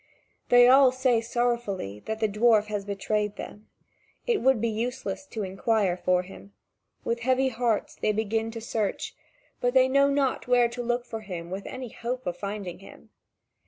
They all say sorrowfully that the dwarf has betrayed them. It would be useless to inquire for him: with heavy hearts they begin to search, but they know not where to look for him with any hope of finding him.